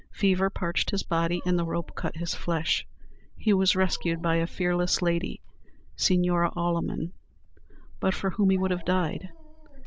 Fever parched his body, and the rope cut his flesh. He was rescued by a fearless lady, Senora Alemon, but for whom he would have died.